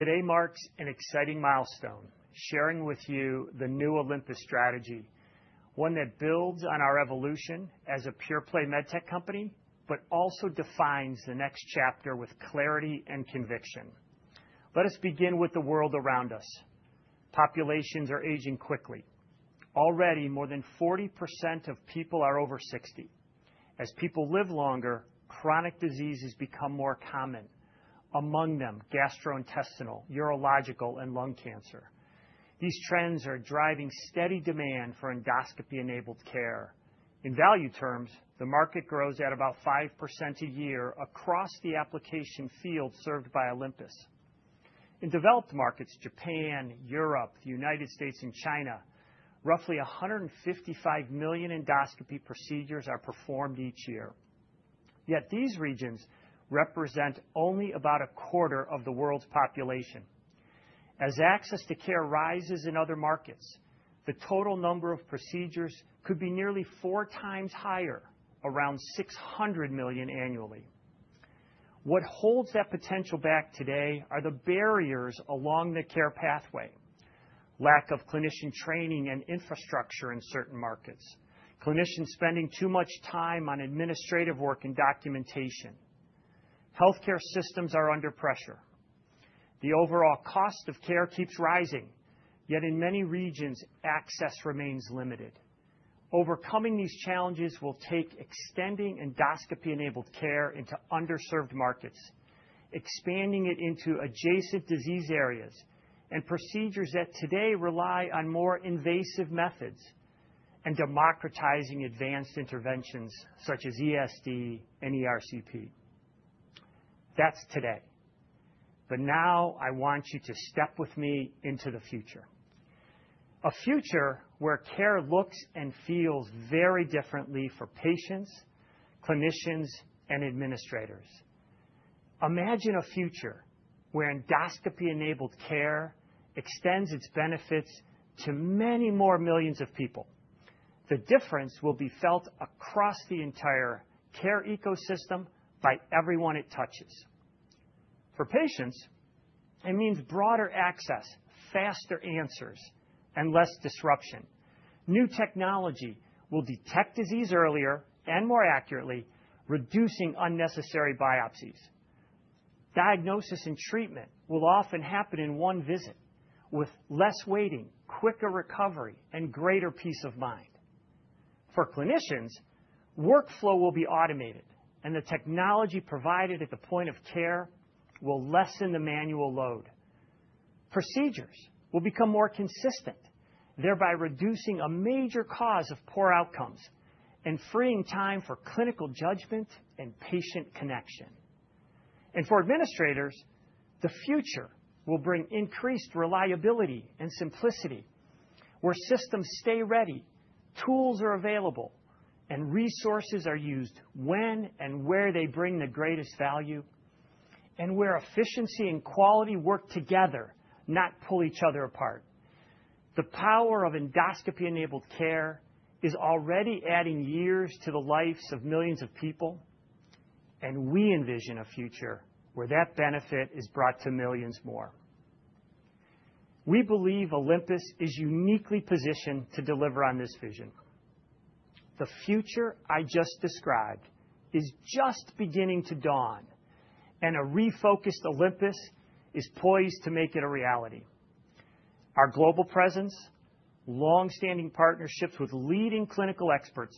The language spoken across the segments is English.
Today marks an exciting milestone, sharing with you the new Olympus strategy, one that builds on our evolution as a pure play medtech company, but also defines the next chapter with clarity and conviction. Let us begin with the world around us. Populations are aging quickly. Already, more than 40% of people are over 60. As people live longer, chronic diseases become more common, among them, gastrointestinal, urological, and lung cancer. These trends are driving steady demand for endoscopy-enabled care. In value terms, the market grows at about 5% a year across the application field served by Olympus. In developed markets, Japan, Europe, the U.S., and China, roughly 155 million endoscopy procedures are performed each year. Yet these regions represent only about a quarter of the world's population. As access to care rises in other markets, the total number of procedures could be nearly four times higher, around 600 million annually. What holds that potential back today are the barriers along the care pathway, lack of clinician training and infrastructure in certain markets, clinicians spending too much time on administrative work and documentation. Healthcare systems are under pressure. The overall cost of care keeps rising. Yet in many regions, access remains limited. Overcoming these challenges will take extending endoscopy-enabled care into underserved markets, expanding it into adjacent disease areas and procedures that today rely on more invasive methods, and democratizing advanced interventions such as ESD and ERCP. That's today. Now I want you to step with me into the future. A future where care looks and feels very differently for patients, clinicians, and administrators. Imagine a future where endoscopy-enabled care extends its benefits to many more millions of people. The difference will be felt across the entire care ecosystem by everyone it touches. For patients, it means broader access, faster answers, and less disruption. New technology will detect disease earlier and more accurately, reducing unnecessary biopsies. Diagnosis and treatment will often happen in one visit with less waiting, quicker recovery, and greater peace of mind. For clinicians, workflow will be automated, and the technology provided at the point of care will lessen the manual load. Procedures will become more consistent, thereby reducing a major cause of poor outcomes and freeing time for clinical judgment and patient connection. For administrators, the future will bring increased reliability and simplicity where systems stay ready, tools are available, and resources are used when and where they bring the greatest value, and where efficiency and quality work together, not pull each other apart. The power of endoscopy-enabled care is already adding years to the lives of millions of people, we envision a future where that benefit is brought to millions more. We believe Olympus is uniquely positioned to deliver on this vision. The future I just described is just beginning to dawn, a refocused Olympus is poised to make it a reality. Our global presence, long-standing partnerships with leading clinical experts,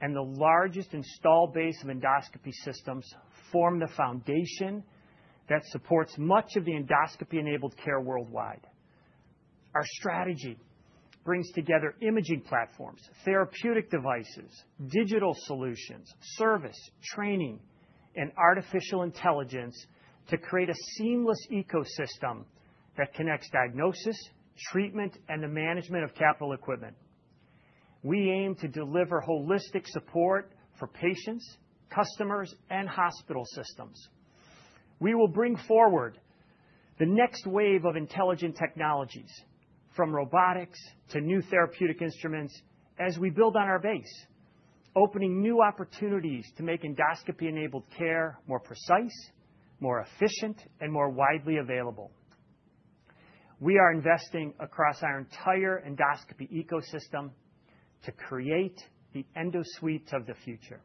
and the largest installed base of endoscopy systems form the foundation that supports much of the endoscopy-enabled care worldwide. Our strategy brings together imaging platforms, therapeutic devices, digital solutions, service, training, and artificial intelligence to create a seamless ecosystem that connects diagnosis, treatment, and the management of capital equipment. We aim to deliver holistic support for patients, customers, and hospital systems. We will bring forward the next wave of intelligent technologies, from robotics to new therapeutic instruments as we build on our base, opening new opportunities to make endoscopy-enabled care more precise, more efficient, and more widely available. We are investing across our entire endoscopy ecosystem to create the endosuites of the future.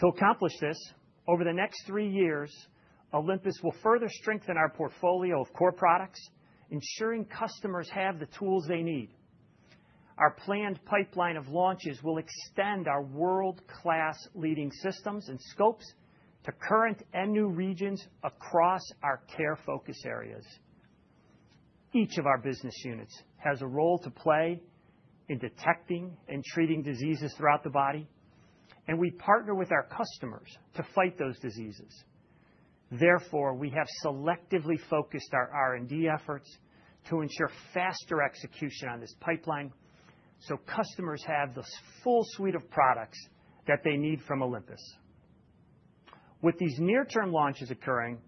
To accomplish this, over the next 3 years, Olympus will further strengthen our portfolio of core products, ensuring customers have the tools they need. Our planned pipeline of launches will extend our world-class leading systems and scopes to current and new regions across our care focus areas. Each of our business units has a role to play in detecting and treating diseases throughout the body. We partner with our customers to fight those diseases. We have selectively focused our R&D efforts to ensure faster execution on this pipeline. Customers have the full suite of products that they need from Olympus. With these near-term launches occurring,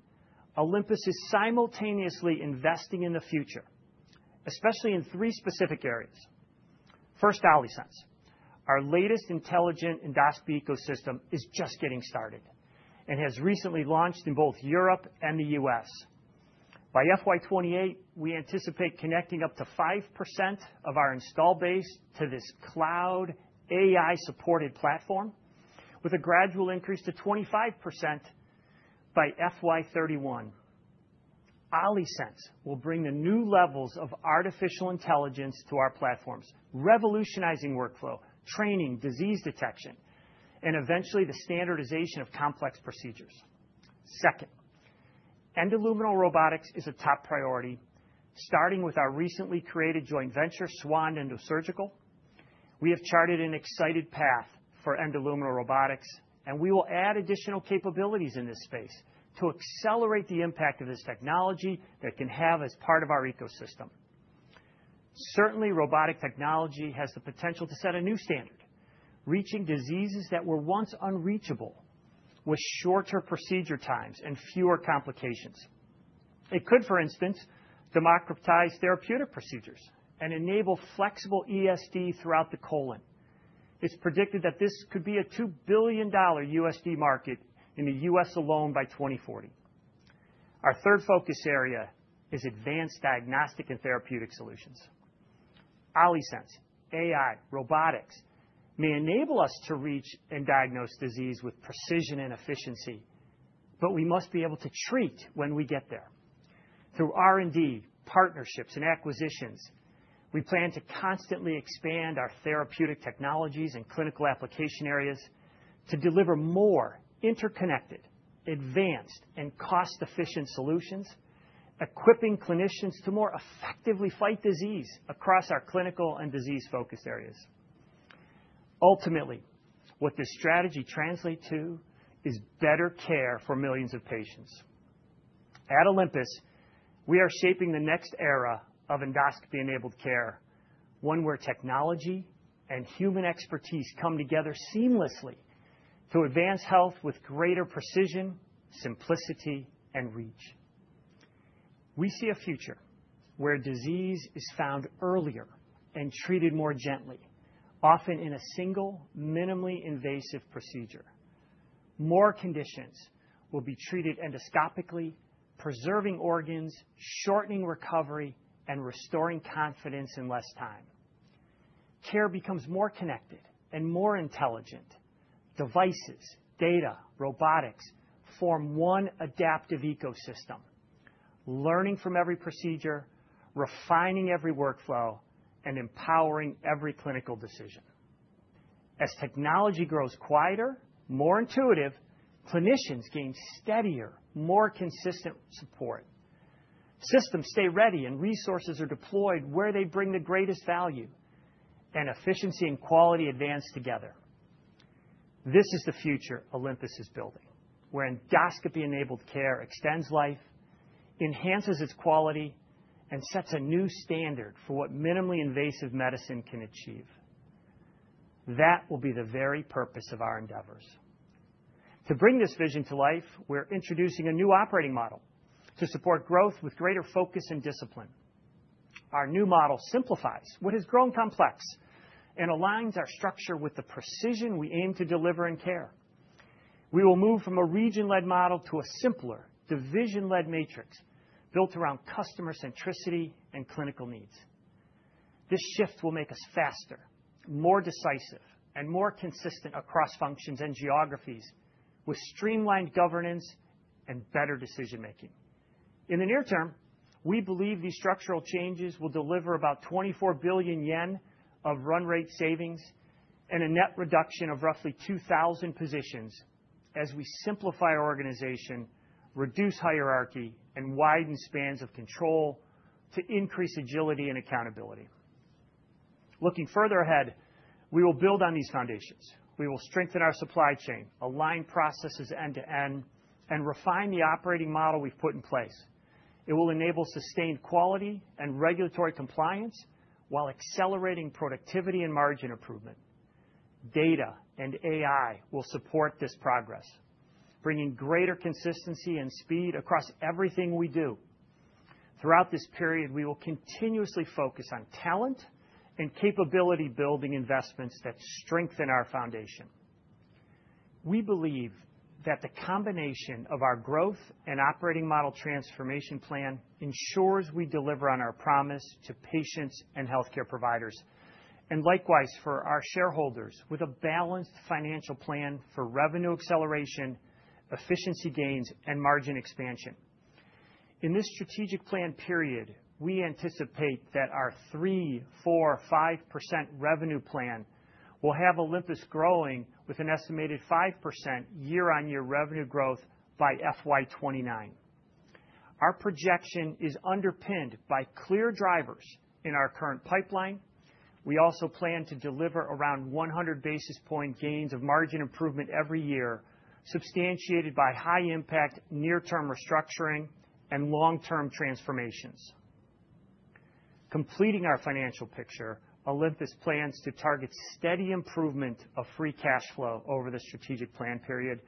Olympus is simultaneously investing in the future, especially in 3 specific areas. First, OLYSENSE. Our latest intelligent endoscopy ecosystem is just getting started and has recently launched in both Europe and the U.S. By FY 2028, we anticipate connecting up to 5% of our install base to this cloud AI-supported platform, with a gradual increase to 25% by FY 2031. OLYSENSE will bring the new levels of artificial intelligence to our platforms, revolutionizing workflow, training, disease detection, and eventually, the standardization of complex procedures. Second, endoluminal robotics is a top priority, starting with our recently created joint venture, Swan EndoSurgical. We have charted an excited path for endoluminal robotics. We will add additional capabilities in this space to accelerate the impact of this technology that can have as part of our ecosystem. Certainly, robotic technology has the potential to set a new standard, reaching diseases that were once unreachable, with shorter procedure times and fewer complications. It could, for instance, democratize therapeutic procedures and enable flexible ESD throughout the colon. It's predicted that this could be a $2 billion USD market in the U.S. alone by 2040. Our third focus area is advanced diagnostic and therapeutic solutions. OLYSENSE, AI, robotics may enable us to reach and diagnose disease with precision and efficiency. We must be able to treat when we get there. Through R&D, partnerships, acquisitions, we plan to constantly expand our therapeutic technologies and clinical application areas to deliver more interconnected, advanced, cost-efficient solutions, equipping clinicians to more effectively fight disease across our clinical and disease focus areas. Ultimately, what this strategy translates to is better care for millions of patients. At Olympus, we are shaping the next era of endoscopy-enabled care, one where technology and human expertise come together seamlessly to advance health with greater precision, simplicity, and reach. We see a future where disease is found earlier and treated more gently, often in a single, minimally invasive procedure. More conditions will be treated endoscopically, preserving organs, shortening recovery, restoring confidence in less time. Care becomes more connected and more intelligent. Devices, data, robotics form one adaptive ecosystem, learning from every procedure, refining every workflow, empowering every clinical decision. As technology grows quieter, more intuitive, clinicians gain steadier, more consistent support. Systems stay ready, resources are deployed where they bring the greatest value, efficiency and quality advance together. This is the future Olympus is building, where endoscopy-enabled care extends life, enhances its quality, and sets a new standard for what minimally invasive medicine can achieve. That will be the very purpose of our endeavors. To bring this vision to life, we're introducing a new operating model to support growth with greater focus and discipline. Our new model simplifies what has grown complex and aligns our structure with the precision we aim to deliver in care. We will move from a region-led model to a simpler, division-led matrix built around customer centricity and clinical needs. This shift will make us faster, more decisive, and more consistent across functions and geographies, with streamlined governance and better decision-making. In the near term, we believe these structural changes will deliver about 24 billion yen of run rate savings and a net reduction of roughly 2,000 positions as we simplify our organization, reduce hierarchy, and widen spans of control to increase agility and accountability. Looking further ahead, we will build on these foundations. We will strengthen our supply chain, align processes end to end, and refine the operating model we've put in place. It will enable sustained quality and regulatory compliance while accelerating productivity and margin improvement. Data and AI will support this progress, bringing greater consistency and speed across everything we do. Throughout this period, we will continuously focus on talent and capability-building investments that strengthen our foundation. We believe that the combination of our growth and operating model transformation plan ensures we deliver on our promise to patients and healthcare providers, likewise for our shareholders, with a balanced financial plan for revenue acceleration, efficiency gains, and margin expansion. In this strategic plan period, we anticipate that our 3%, 4%, 5% revenue plan will have Olympus growing with an estimated 5% year-on-year revenue growth by FY 2029. Our projection is underpinned by clear drivers in our current pipeline. We also plan to deliver around 100 basis point gains of margin improvement every year, substantiated by high-impact near-term restructuring and long-term transformations. Completing our financial picture, Olympus plans to target steady improvement of free cash flow over the strategic plan period.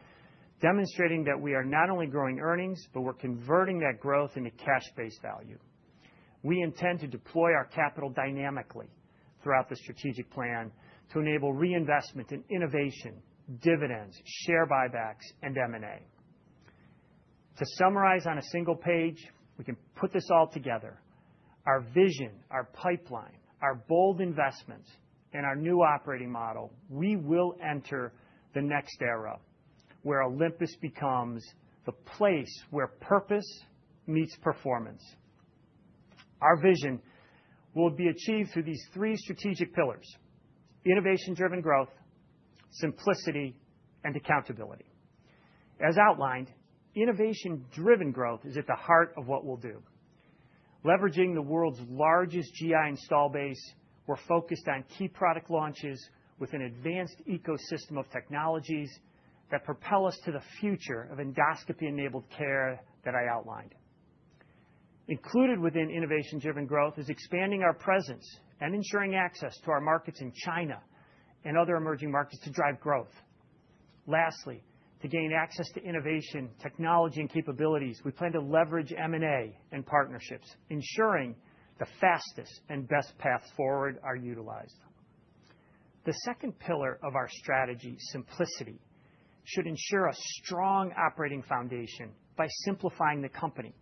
Demonstrating that we are not only growing earnings, but we're converting that growth into cash base value. We intend to deploy our capital dynamically throughout the strategic plan to enable reinvestment in innovation, dividends, share buybacks, and M&A. To summarize on a single page, we can put this all together. Our vision, our pipeline, our bold investments, and our new operating model, we will enter the next era where Olympus becomes the place where purpose meets performance. Our vision will be achieved through these three strategic pillars: innovation-driven growth, simplicity, and accountability. As outlined, innovation-driven growth is at the heart of what we'll do. Leveraging the world's largest GI install base, we're focused on key product launches with an advanced ecosystem of technologies that propel us to the future of endoscopy-enabled care that I outlined. Included within innovation-driven growth is expanding our presence and ensuring access to our markets in China and other emerging markets to drive growth. Lastly, to gain access to innovation, technology, and capabilities, we plan to leverage M&A and partnerships, ensuring the fastest and best paths forward are utilized. The second pillar of our strategy, simplicity, should ensure a strong operating foundation by simplifying the company.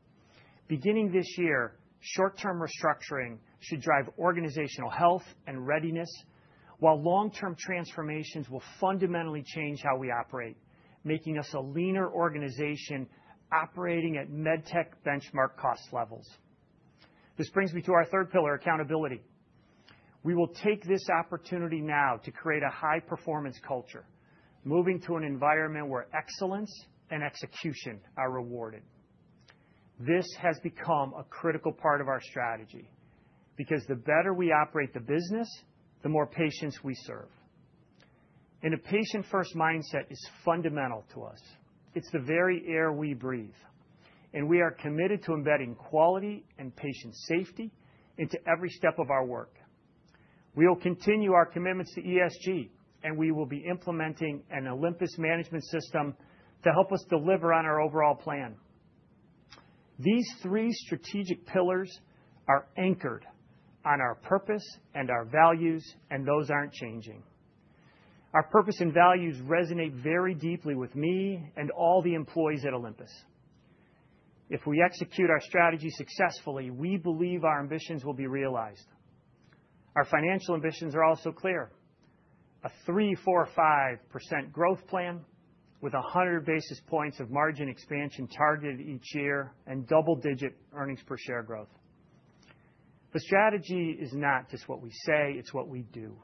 Beginning this year, short-term restructuring should drive organizational health and readiness, while long-term transformations will fundamentally change how we operate, making us a leaner organization operating at medtech benchmark cost levels. This brings me to our third pillar, accountability. We will take this opportunity now to create a high performance culture, moving to an environment where excellence and execution are rewarded. This has become a critical part of our strategy, because the better we operate the business, the more patients we serve. A patient-first mindset is fundamental to us. It's the very air we breathe. We are committed to embedding quality and patient safety into every step of our work. We will continue our commitments to ESG. We will be implementing an Olympus Management System to help us deliver on our overall plan. These three strategic pillars are anchored on our purpose and our values. Those aren't changing. Our purpose and values resonate very deeply with me and all the employees at Olympus. If we execute our strategy successfully, we believe our ambitions will be realized. Our financial ambitions are also clear. A 3.45% growth plan with 100 basis points of margin expansion targeted each year and double-digit earnings per share growth. The strategy is not just what we say, it's what we do.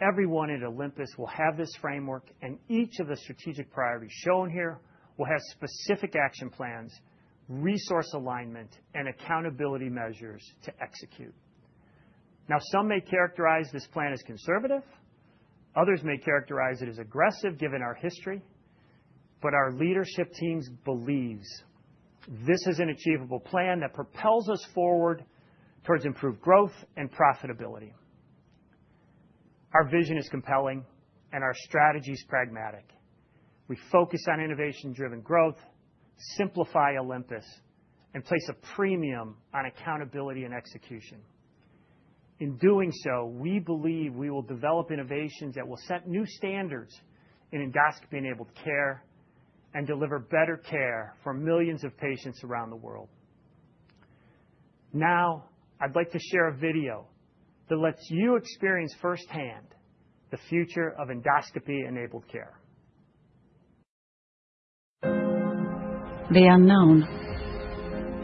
Everyone at Olympus will have this framework. Each of the strategic priorities shown here will have specific action plans, resource alignment, and accountability measures to execute. Now, some may characterize this plan as conservative. Others may characterize it as aggressive given our history. Our leadership teams believes this is an achievable plan that propels us forward towards improved growth and profitability. Our vision is compelling. Our strategy is pragmatic. We focus on innovation-driven growth, simplify Olympus, and place a premium on accountability and execution. In doing so, we believe we will develop innovations that will set new standards in endoscopy-enabled care and deliver better care for millions of patients around the world. Now, I'd like to share a video that lets you experience firsthand the future of endoscopy-enabled care. The unknown.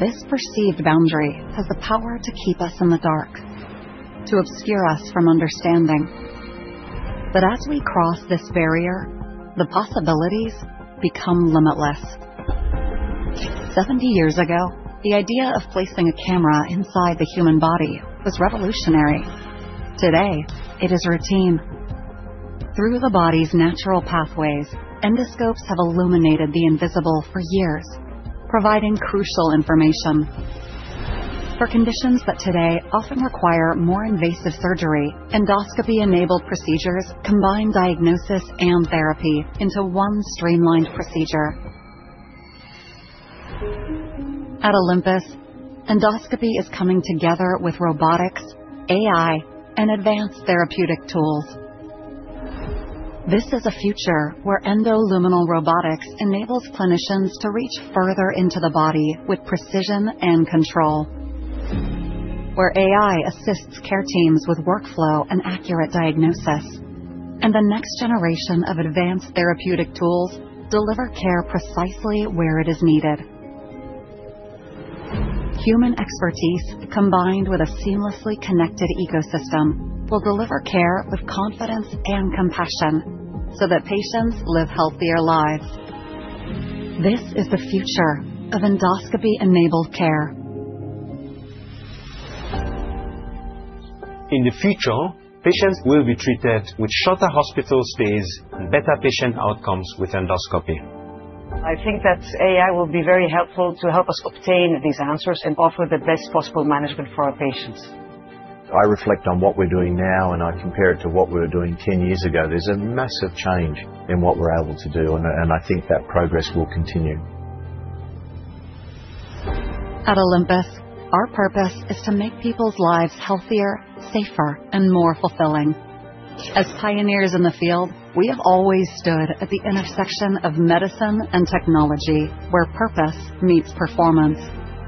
This perceived boundary has the power to keep us in the dark, to obscure us from understanding. As we cross this barrier, the possibilities become limitless. 70 years ago, the idea of placing a camera inside the human body was revolutionary. Today, it is routine. Through the body's natural pathways, endoscopes have illuminated the invisible for years, providing crucial information. For conditions that today often require more invasive surgery, endoscopy-enabled procedures combine diagnosis and therapy into one streamlined procedure. At Olympus, endoscopy is coming together with robotics, AI, and advanced therapeutic tools. This is a future where endoluminal robotics enables clinicians to reach further into the body with precision and control, where AI assists care teams with workflow and accurate diagnosis. The next generation of advanced therapeutic tools deliver care precisely where it is needed. Human expertise, combined with a seamlessly connected ecosystem, will deliver care with confidence and compassion so that patients live healthier lives. This is the future of endoscopy-enabled care. In the future, patients will be treated with shorter hospital stays and better patient outcomes with endoscopy. I think that AI will be very helpful to help us obtain these answers and offer the best possible management for our patients. I reflect on what we're doing now, and I compare it to what we were doing 10 years ago. There's a massive change in what we're able to do, and I think that progress will continue. At Olympus, our purpose is to make people's lives healthier, safer, and more fulfilling. As pioneers in the field, we have always stood at the intersection of medicine and technology, where purpose meets performance.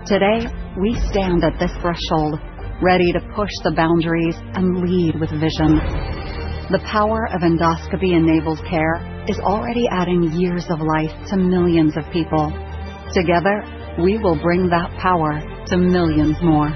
Today, we stand at this threshold, ready to push the boundaries and lead with vision. The power of endoscopy-enabled care is already adding years of life to millions of people. Together, we will bring that power to millions more.